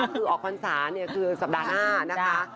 คือออกภัณฑ์ศาสตร์เนี่ยคือสัปดาห์หน้านะคะ